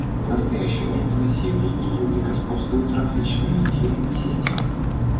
В настоящее время на Севере и на Юге господствуют различные идеи и системы.